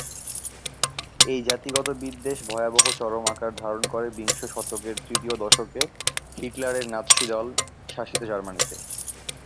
এই জাতিগত বিদ্বেষ ভয়াবহ চরম আকার ধারণ করে বিংশ শতকের তৃতীয় দশকে, হিটলারের নাৎসি দল-শাসিত জার্মানিতে।